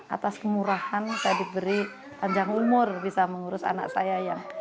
atas kemurahan saya diberi panjang umur bisa mengurus anak saya ya